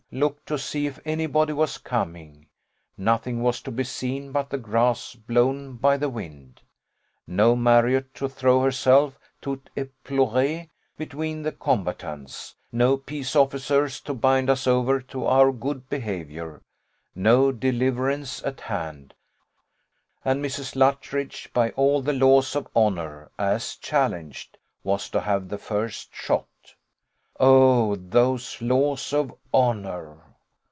looked to see if any body was coming: nothing was to be seen but the grass blown by the wind no Marriott to throw herself toute éplorée between the combatants no peace officers to bind us over to our good behaviour no deliverance at hand; and Mrs. Luttridge, by all the laws of honour, as challenged, was to have the first shot. Oh, those laws of honour!